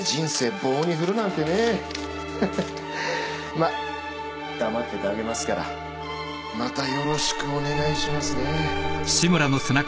まあ黙っててあげますからまたよろしくお願いしますね